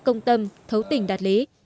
các công tâm thấu tình đạt lý